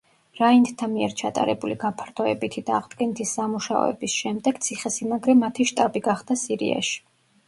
რაინდთა მიერ ჩატარებული გაფართოებითი და აღდგენითი სამუშაოების შემდეგ, ციხესიმაგრე მათი შტაბი გახდა სირიაში.